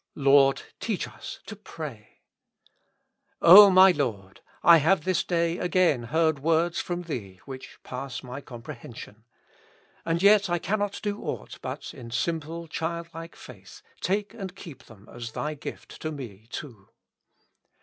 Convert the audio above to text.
"Lord, teach us to pray." 155 With Christ in the School of Prayer. O my Lord ! I liave this day again heard words from Thee which pass my comprehension. And yet I cannot do aught but in simple childlike faith take and keep them as Thy gift to me too.